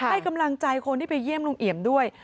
ให้กำลังใจคนที่ไปเยี่ยมลุงเอี่ยมด้วย